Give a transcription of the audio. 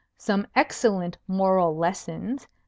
"Some excellent moral lessons."